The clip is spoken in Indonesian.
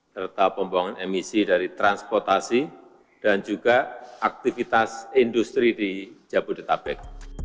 serta pembuangan emisi dari transportasi dan juga aktivitas industri di jabodetabek